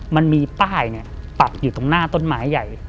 มันมีป้ายปักอยู่ตรงหน้าต้นไม้ใหญ่